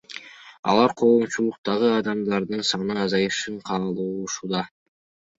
Алар коомчулуктагы адамдардын саны азайышын каалашууда.